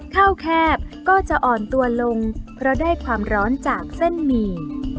แคบก็จะอ่อนตัวลงเพราะได้ความร้อนจากเส้นหมี่